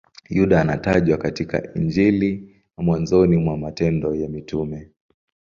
Yuda anatajwa katika Injili na mwanzoni mwa Matendo ya Mitume.